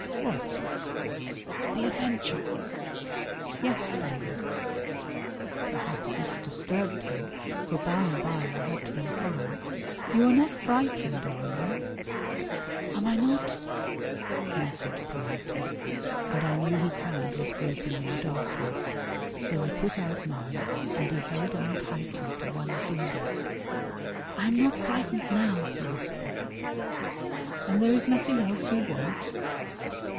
"What?" "The adventure." "Yes, David." Perhaps this disturbed him, for by and by I had to inquire, "You are not frightened, are you?" "Am I not?" he answered politely, and I knew his hand was groping in the darkness, so I put out mine and he held on tightly to one finger. "I am not frightened now," he whispered. "And there is nothing else you want?"